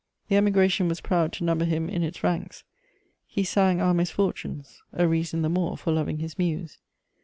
The Emigration was proud to number him in its ranks: he sang our misfortunes, a reason the more for loving his muse.